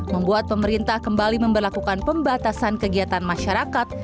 membuat pemerintah kembali memperlakukan pembatasan kegiatan masyarakat